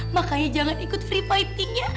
makanya jangan ikut free fightingnya